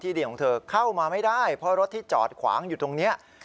ดีของเธอเข้ามาไม่ได้เพราะรถที่จอดขวางอยู่ตรงนี้